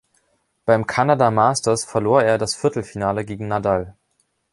Beim Kanada Masters verlor er das Viertelfinale gegen Nadal.